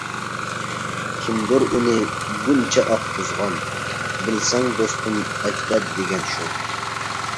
كىمدۇر ئۇنى بۇنچە ئاققۇزغان، بىلسەڭ دوستۇم ئەجداد دېگەن شۇ.